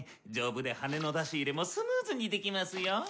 丈夫で羽の出し入れもスムーズにできますよ。